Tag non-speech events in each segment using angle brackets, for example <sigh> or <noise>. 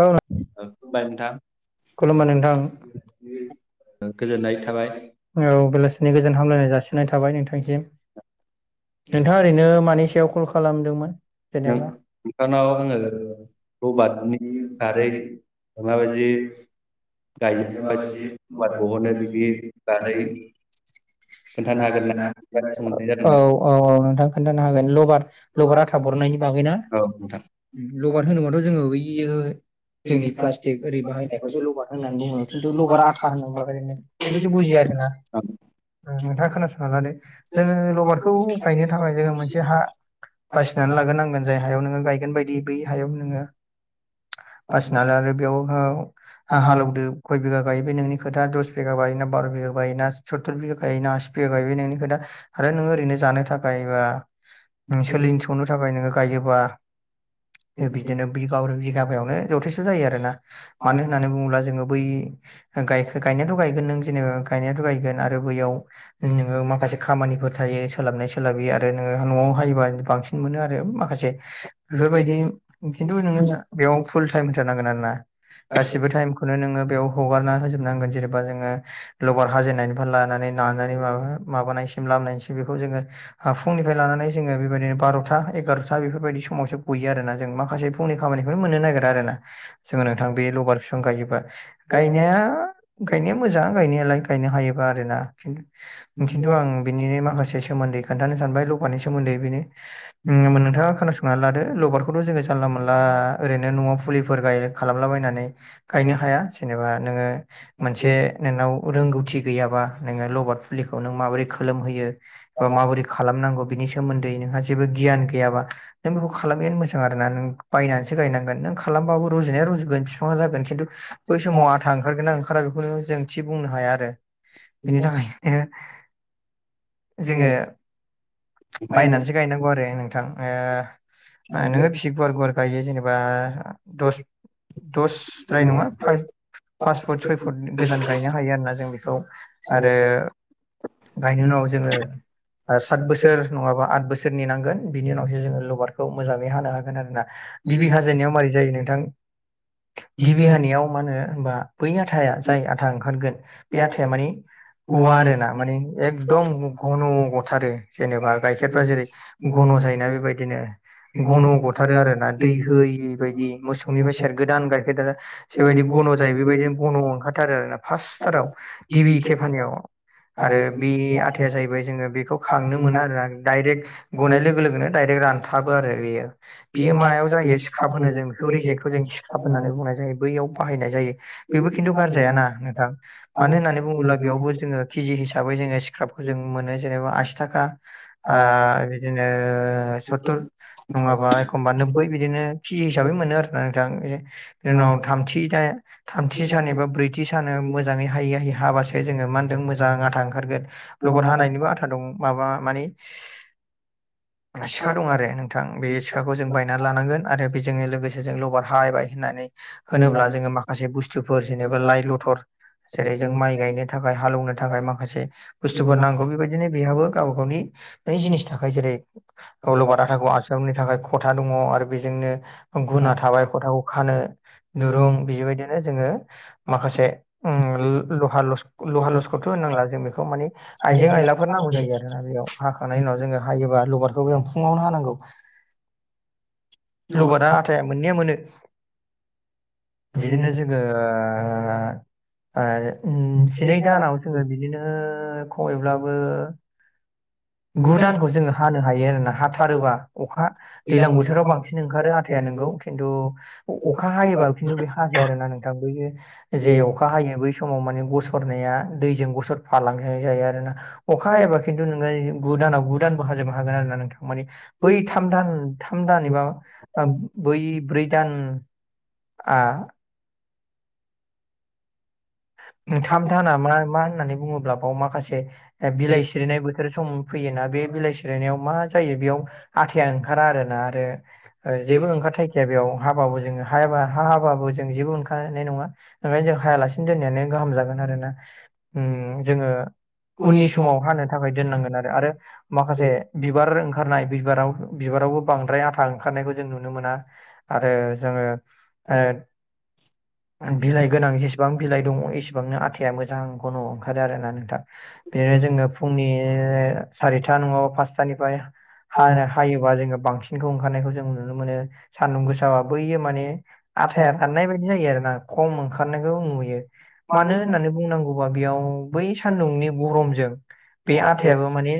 औ ओ खुलुमबाय नोंथां खुलुमबाय नोंथां। ओ गोजोननाय थाबाय औ बेलासिनि गोजोन हामलायनाय जासिननाय थाबाय नोंथांसिम। नोंथाङा नों ओरैनो मानि सायाव कल खालामदोंमोन। जेनेबा नोंथांनाव आङो <unintelligible> रबारटनि बारै माबायदि माबदि गायो गायदि माबायदि बाब रबार मबाइ दा बहनो गहोनाय बिनि बायदि बारै आरो। खोन्थानो हागोन ना बेबादि सोंहरनाय औ जादोंमोन औ औ नोंथां खोनन्थानो हागोन लार लार आथा बर बागैना औ नोंथां औ लबार होनोबाथ' जोङो बैयो जोंनि प्लास्टिक ओरै बाहायनायखौसो लबार होननानै बुङो खिन्थु लबार आथा फानबा ओैनो बेखौसो बुजियो आरोना उम नोंथाङा खोनासं ला दे जोङो लबारखौ गायनो थाखाय जोङो मोनसे हा बासिनानै लाग्रोनांगोन जाय हायाव नोङो गायगोन बायदि बै हायाव नोङो बासिनालाय आरो बेयाव ओ हालौवदो खय बिघा गायबाय नोंनि खोथा दस बिघा याव गायोना बार' बिगायाव गायो सतुर बिघा गाया आसि बिघा गायोबाय नोंनि खोथा आरो ओरैनो जानो थाखाय बा उम सोलिनो सौनो थाखाय नोङो गायोबा बिदिनो बिगाब्रै बिघाब <unintelligible> यावनो जथेसथ जायो आरो ना मानो होननानै बुङोबा बै गाय गायनायथ' गायगोन नों जेनेबा गायनायाथ' गायगोन आरो बैयाव नोङो माखासे खामानिफोर थायो। सोलाबनाय सोलाबि आरो नोङो न'आव हायोबा बांसिन मोनो आरो माखासे बेफोरबायदि खिन्थु नोङो बेयाव फुल टाइम होथारनांगोन आरो ना। गासिबो टाइमखौनो नोङो बेयाव हगारना होजो होजोबनांगोन जेनेबा जोङो लबार हाजेनायनिफ्राय लानानै नानानै माबा-माबानायसिम लामनायसिम बेखौ जोङो ओ फुंनिफ्राय लानानै जोङो बेबायदिनो बार'था एगार'था बेफोरबायदि समावसो गयो आरोना जों मा माखासे फुंनि खामानिखौनो मोननो नागिरा आरोना जोङो नोंथां बे लबार बिफां गायोब्ला गायनाया गायनाया मोजां गायनायालाय गायनो हायोबा आरोना खिन्थु आं बिनिनो माखासे से सोमोन्दै खोन्थानो सानबाय लबारनि सोमोन्दै बेनि ओ नोंथाङा खोनासंनानै लादो। लबारखौथ' जोङो जानला मोनला ओरैनो न'आव फुलिफोर गाय खालामलाबायनानै गायनो गिबि हाया जेनेबा नोङो मोनसे नोंनाव रोंगौथि गैयाबा नोङो लबाद फुलिखौ नों माबोरै खोलोमहोयो बा माबोरै खालामनांगौ बिनि सोमोन्दै नोंहा जेबो गियान गैयाबा नों बेखौ खालामयैयानो मोजां आरोना नों बायनानैसो गायनांगोन नों खालामबाबो रज'नाया रज'गोन बिफाङा जागोन खिन्थु बै समाव आथा ओंखारगोन ना ओंखा खारा बेखौनो जों थि बुंनो हाया आरो बेनि थाखायनो जोङो खेब बायनानैसो गायनांगौ आरो नोंथां ओ नोङो बेसे गुवार गुवार गायो जेनेबा दस दसद्राय नङा फाइ फास फुट सय फुट गोजान गायनो हायो आरोना जों बेखौ आरो गायनायनि उनाव जोङो सात बोसोर नङा बा आद बोसोरनि नांगोन बि उनावसो जोङो लबारखौ मोजाङै हानो हागोन आरो ना। गिबि हाजेननायाव मारै जायो नोंथां? गिबि हानायाव मा होनो होमबा बै आथा जाय आथा ओंखारगोन बे आथा माने गवा आरो ना माने एकदम घन' गथारो जेनेबा गाइखेरफ्रा जेरै घन' जायोना बेबायदिनो। घन' औ। गथारो आरोना दै होयि बायदि मोसौनिफ्राय सेर गोदान गाय ओफ्राय दाना जेबायदि गन' जायो बेबायदिनो गन' ओंखारथारो आरोना फार्स्टाराव। गिबि खेफानियाव आरो बि आथा या जाहैबाय जोङो बेखौ खांनो मोना आरोना डाइरेक्ट गनाय लोगो लोगोनो डाइरेक्ट रानथाबो आरो बेयो। बियो <unintelligible> मायाव जायो सिखाब होनो जों बेखौ रिजेक्ट मा बेखौ जों सिखाब होननानै बुंनाय जायो बैयाव बाहायनाय जायो बेबो खिनथु गा जाया ना नोंथां मानो होन्नानै दैज्लां बुङोब्ला बेयावबो जोङो केजि हिसाबै जोङो स्क्राबखौ जों मोनो जेनेबा आसि थाखा ओ बिदिनो सत्तुर नङाबा एखमबा नोबै बिदिनो खिजि हिसाबै मोनो आरोना नोंथां बिनि उनाव थामथि दा थामथि सान एबा ब्रैथि सान मोजाङै हायै हायै हाबासो जोङो मा होनदों मोजां आथा ओंखारगोन। लबाद हानायनिबो बोथोराव आथा दं माबा मानि सिखा दं आरो नोंथां बे सिखाखौ जों बायना लानांगोन आरो बेजोंनो लोगोसे जों लबाद हाबाय होननानै होनोब्ला जोङो माखासे बुस्थुफोर जेनेबा लाइ लथर जेरै जों माइ गायनो थाखाय हालौनो थाखाय माखासे बुस्थुफोर नांगौ बेबायदिनो बेहाबो गाबा गावनि बै जिनिस थाखायो जेरै लबाद आथाखौ आजावनो थाखाय खथा दङ आरो बेजोंनो गुना बांसिन थाबाय खथाखौ खानो दुरुं बिबायदि नो जोङो माखासे ओ ल-लहा लसख लहा लसखर होननांला जों बेखौ मानि आइजें आयलाफोर नां गौ जायो आरोना बेयाव हाखांनाय उनाव जोङो हायोबा लबारखौबो फुङावनो हानांगौ। लबारा आथाया मोननाया मोनो, बिदिनो जोङो ओ ओं ओम जिनै दानाव जोङो बिदिनो खमैब्लाबो <inaudible> गु दानखौ जोङो हानो हायो आरोना हाथारोबा अखा दैलां बोथोराव बांसिन ओंखारो आथाया नोंगौ खिन्थु अखा हायोबा खिन्थु बे हाजाया आरोना नोंथां बैयो जे अखा हायो बै समाव मानि गसरनाया दैजों गसर फालांनाय जायो आरोना अखा हायाबा खिन्थु नोंङो गु दानाव गु दानबो हाजोबनो हागोन आरो ना नोंथां मानि बै थाम दान थाम दान एबा बै ब्रै दान आ ओ ओंखाम थाम दाना मा मा होननानै बुङोब्ला बाव माखासे बिलाइ सिरिनाय बो थोरो सम फैयोना बे बिलाइ सिरिनायाव मा जायो बेयाव आथाया ओंखारा आरोना आरो ओ बे जेबो ओंखारथाय ए बेयाव हाबाबो जोङो हायाबा हा हाबाबो जों जेबो ओंखानाय नङा ओंखायनो जों हायालासे दोननायानो गाहाम जागोन आरोना ओ जोङो उननि समाव हानो थाखाय दोननांगोन आरो आरो माखासे बिबार फारनाय बिबाराव बिबारावबो बांद्राय आथा ओंखारनायखौ जों नुनो मोना आरो जोङो ओ बिलाइ गोनां जेसे बां बिलाइ दङ इसेबांनो आथाया मोजां घन ओंखारो आरोना नोंथां बेनो जोंनो फुंनि यो सारिथा नङाबा फासथानिफाय हानो हायोबा जो बां सिनखौ ओंखारनायखौ जों नुनो मोनो सान्दुं गोसाबा बैयो माने आथाया राननाय बायदि जायो आरो आ खम ओंखारनायखौ नुयो मानो होननानै बुंनांगौबा बेयाव बै सान्दुंनि गरमजों बे आथायाबो मानि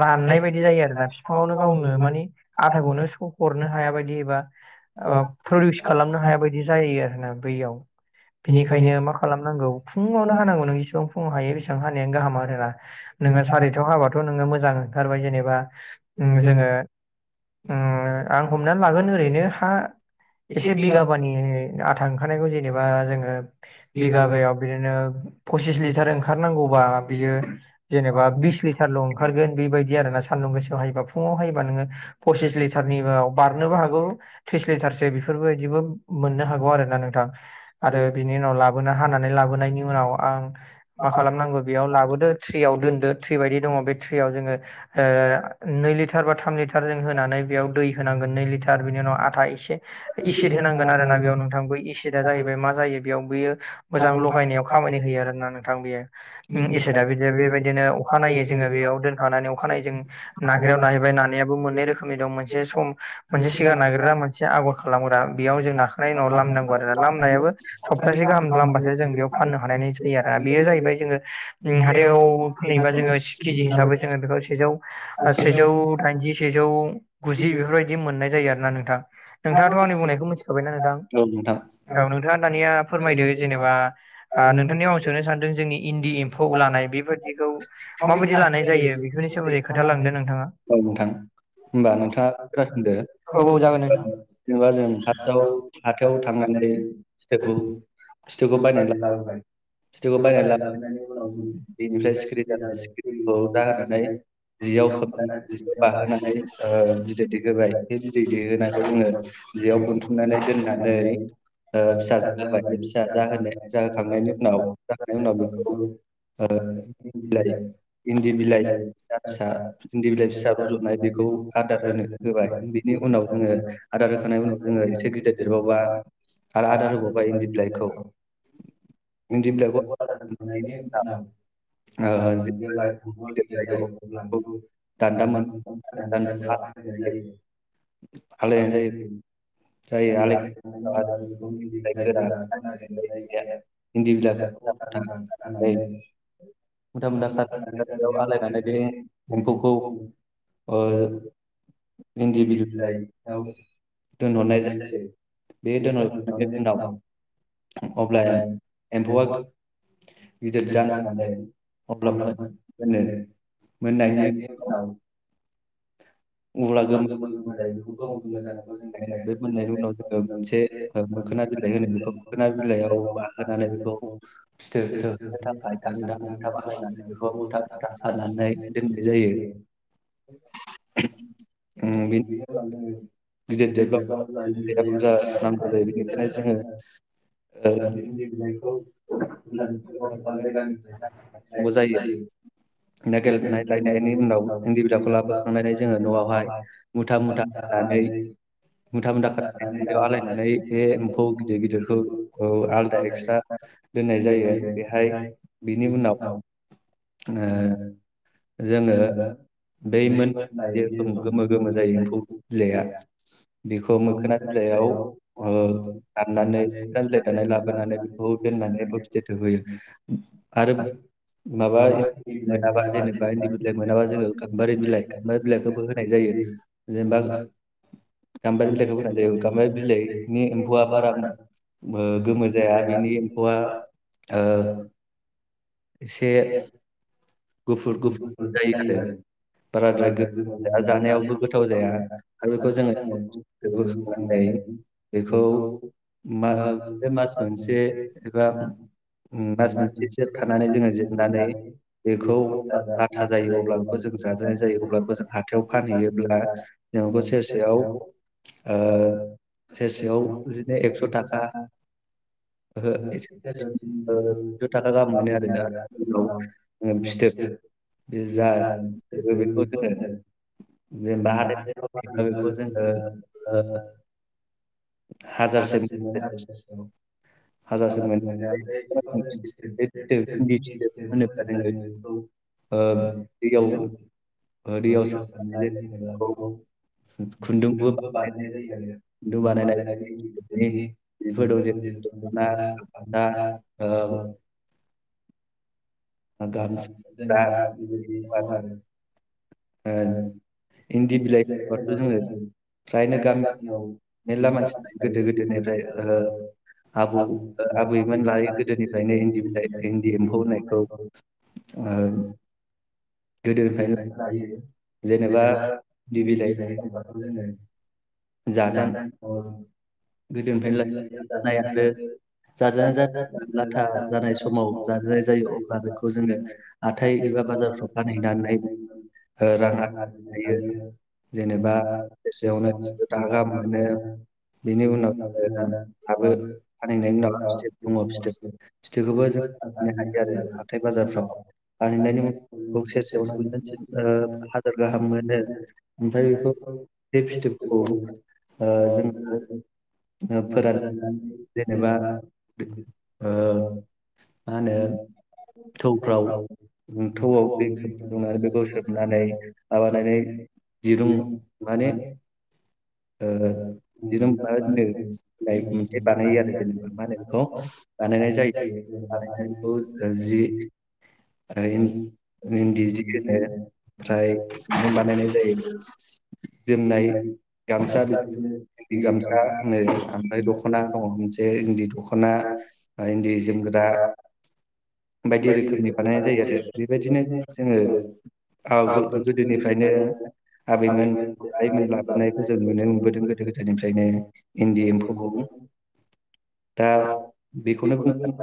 राननाय बायदि जायो बिलाइखौ आरोना नारस्राव बिफाङावनो गावनो लाङोमोन मानि आरो आथाखौनो सहरनो हाया बायदि बा ओ प्रदिउस खालामनो हाया बायदि जायो आरोना बैयाव बिनिखायनो मा खालामनांगौ फुङावनो हानांगौ नों जिसिबां फुङाव हायो बेसेबां हानायानो गाहामा आरोना नोङो जोङो सारिथायाव हाबाथ नोङो मोजां ओंखारबाय जेनेबा ओं जोङो ओं आं हमनानै लागोन ओरैनो हा एसे बिगाबानि आथा ओंखारनायखौ जेनेबा जोङो बिगाबो बिगाबायाव बिदिनो पसिस लिटार ओंखारनांगौबा बियो जेनेबा बिस लिटार ल' ओंखारगोन बेबायदि आरो ना सान्दुं गोसायाव हायोबा फुङाव हायोबा नोङो पसिस लिटारनिबाराव बारनोबो हागौ थ्रिस लिटारसो बेफोरबायदिबो मोननो हागौ आरोना नोंथां औ बेनि उनाव लाबोनो हानानै लाबोनायनि उनाव आं मा खालामनांगौ बेयाव लाबोदो थ्रियाव दोनदो थ्रि बायदि दङ बे थ्रियाव जोङो ओ नै लिटार बा थाम लिट टार जों होनानै बेयाव दै होनांगोन नै लिटार बेनि उनाव आथा एसे इसिद होनांगोन आरोना बेयाव नोंथां बै इसिदा जाहैबाय मा जायो बेयाव बैयो मोजां लगायनायाव खामानि होयो आरो ना नोंथां बियो उम इसिदा बिदि बेबायदिनो अखा नायै जोङो बेयाव दोनखानानै अखानायै जों नाग्रायाव नाहैबाय नानाया बेबो मोननै रोखोम दं मोनसे सम मोनसे सिगां नागारग्रा मोनसे आगर खालामग्रा बेयाव जों औ नाखांनायनि उनाव लाम नांगौ आरो ना लामायाबो नोंथां औ सप्तासे गाहाम लामबाथाय जों बेयाव नोंथां फाननो हानायनाय जायो आरोना बेयो जाहैबाय जोङो ओ हाथायाव फानहै बा जोङो किजि हिसाबै जोंङो बेखौ सेजौ सेजौ दाइनजि सेजौ गुजि बेफोरबायदि मोननाय जायो आरो ना नोंथां नोंथाङाथ' आंनि बुंनायखौ मिथिखाबायना नोंथां? औ नोंथां थेङा फोरमायदो जेनेबा नोंथांनियाव आं सोननो सानदों जोंनि इन्दि एम्फौ लानाय बेफोर बेखौ माबायदि लानाय जायो बेफोरनि सोमोन्दै खोथालांदो नोंथाङा होमबा नोंथाङा खोनासंदो औ औ जागोन नोंथां जेनेबा जों खाथियाव हाथायाव थांनानै फिथोबखौ फिथिबखौ-फिथिबखौ बायनानै ला फिथोबखौ बायनानै ला फिथिबखौ बेनिफ्राय सिखिरि दाननाय बायनानै सिखिरिखौ दाहोनानै जियाव लाबोनानै खोबनानै जियाव बाहोनानै ओ उनाव बिदै दैहोबाय बे बिदै दैहोनायखौ जों जोङो जेयाव बोनथुमनानै <unintelligible> दोननानै ओ फिसा <unintelligible> जाहोबाय बे फिसा जाहोनो जाहोखांनायनि <unintelligible> उनाव जाखांनायनि उनाव बेखौ ओ <unintelligible> बिलाइ इन्दि बिलाइ फिसा इन्दि बिलाइ फिसा फिसा रज'नाय बेखौ आदार होनो होबाय बिनि उनाव <unintelligible> जोङो आदार होखांनायनि उनाव जोङो एसे गिदिर देरबावबा <unintelligible> आरो आदार होबावबाय इन्दि बिलाइखौ <unintelligible> इन्दि बिलाइखौ ओ जेब्ला <unintelligible> गिदिर जायो <unintelligible> दान्दा मोन <unintelligible> आलायनाय जायो जायो आलाय <unintelligible> गोरा इन्दि बिलाइ गोरान आलायनाय जायो। इन्दि बिलाइखौ <unintelligible> मुथा मुथा खानायाव आलायनानै बे <unintelligible> एम्फौखौ ओ इन्दि बिलाइखौ दोनहरनाय जायो। बे दोननायनि उनाव अब्ला एम्फौआ गिदिर जानानै अब्ला मोनो मोननायनि उनाव अब्ला गोमोन गोमोन जानायखौ जों बे मोननाय बे आरो मोननायनि उनाव जोङो मोनसे बे ओ मोखोना बिलाइ मोननायनि होनो उनाव जोङो मोनसे बेखौ मोखोना बिलाइ थालिर मोखोना बिलाइयाव बाहोनानै बानहोनानै बेखौ फिथोब थोबनो फिथोब थाखाय होनो सानथाम मोनथाम <unintelligible> आलायनानै बेखौ मुथा मुथा खानानै दोननाय जायो। उम, बिनि बे गिदिर जेब्ला उनाव दैया बुरजा नांगौ जायो बेनिखायनो जोङो जोङो ओ, <unintelligible> <unintelligible> दा नागिरनानै लायनांगौ जायो नागिरनानै लायनायनि उनाव <unintelligible> बिलाइखौ लाबोखांलनाय लाबोखांनानै जोङो न'आवहाय मुथा मुथा खानानै मुथा मुथा ओंखाम जाखानानै खथयाव आलायनानै गामजालायनानै बे एम्फौ मेलेमखौ गिदिर गिदिरखौ ओ औ आलदा आलादा एक्सट्रा दोननाय जायो। जाहैबाय बेहाय बिनि उनाव ओ जोङो जोङो बै मोन जेरोखोम गोमो गोमो जायो एम्फौ बिलाया बेखौ मोखोना बिलाइयाव‌ ओ दाननानै मोखोना बिलाइ दाननानै लाबोनानै बेखौ दोननानैबो फिदेथ' होयो आरो माबा मोनाबा जेनेबा इन्दि बिलाइ मोनाबा जोङो गाम्बारि बिलाइ गाम्बारि बिलाइखौबो होनाय जायो जेनेबा गाम्बारि बिलाइखौ होनाय जायो गाम्बारि बिलाइनि एम्फौआ बारा गोमो जाया बिनि एम्फौआ ओ से गफुर गफुर जायो आरो बाराद्राय गोबाब जाया, जानायावबो गोथाव जाया आरो बेखौ जोङो बोखांनानै <unintelligible> <unintelligible> बेखौ ओ मास बे मास मोनसे एबा उम मास मोनसेसो थानानै जोङो जिरनानै खौ ला लाथा जायो आब्ला बेखौ जों हाथायाव फानहैयोब्ला सेरसेयाव ओ सेरसेयाव बिदिनो एक्स' थाखा ओहो <unintelligible> ओ जौ थाखा गाहाम मोनो <unintelligible> आरो दा उनाव जेनेबा जोङो फिथोब बे हाथाय जा बेखौ जोङो फोराव जेनेबा फानहैयोना हाथाय जोङो बेखौ ओ जोंङो हाजारसे मोनो आरो सेराव हाजारसे मोन इन्दि फिथोब होनोब्ला जोङो ओ दैयाव <unintelligible> ओ दैयाव सोमनानै <unintelligible> <unintelligible> दोनो बेखौ <unintelligible> <unintelligible> खुन्दुंबो बानायनाय जायो खुन्दुं बानायनाय दख'ना गामसा ओ गामसा <unintelligible> ओ इन्दि बिलाइ खायबाथ' जोङो फ्रायनो जायनो गामि गामियाव मेरला मानसिफ गोदो गोदोनिफ्राय ओ आबौ आबौ ओ आबैमोन लायो लानानै गोदो गोदोनिफ्रायनो हि गोदायनिफ्रायनो बिलाइ हिन्दि इन्दि बिलाइ इन्दि एम्फौ होनायखौ होननायखौ ओ माने गोदोनिफ्रायनो <unintelligible> लायो जेनेबा दि इन्दि बिलाइ बिलाय जाजान गोदोनिफ्रायनो जाजानाय आरो <unintelligible> जाजानाय जा लाथा <unintelligible> खौ जोङो हाथाय एबा बाजारफ्राव फानहैनानै ओ रां आरजिनो हायो जेनेबा सेरसेयावनो थिनस' थाखा बेसेांनोथां गाहाम गार मोनो मोनदों बेनि उनाव हाबो फानहैनायनि उनाव फिथोब दङ फिथोब फिथोबखौबो जों फानहैनो हायो आरो हाथाय <unintelligible> बाजारफ्राव <unintelligible> फानहैनायनि उनाव बेखौ सेरसेयावनो बिदिनो थिन ओ हाजार गाहाम <unintelligible> मोनो ओमफ्राय बेखौ <unintelligible> जों फोरोंनानै जेनेबा ओ ओ मा ओ होनो थौफ्राव समफ्राव थौआव दै नथौवदै गुदुं फुदुंनानै बेखौ सोबनानै बेखौथायो आ माबानानै दिरुं माने ओ जेनेबा लाइ मोनसे बानायो आरो जेनेबा मा होनो बेखौ बानायनाय जायो बानायनायखौ जि <unintelligible> बिदि होनो ओमफ्राय ओमफ्राय बि बानायनाय जायो जोमनाय <unintelligible> गामसा बिदिनो बिदि इन्दि गामसा नै आामाइ दख'ना दङ मोनसे इन्दि दख'ना जोमग्रा आ इनदि जोमगदा बायदि रोखोमनि बानायनाय जायो आरो बेबायदिनो जोङो औ गोदोनिफ्रायनो आबैमोन जेनेबा आइैमोन आइमोन लाबोनायखौ जों नो नुनो मोनबोदों गोदो गोदायनिफ्रायनो इन्दि एम्फौआव लाबोनाय दा बेखौनो बुं बुंनो सानो